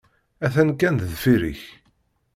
Atan kan deffir-k.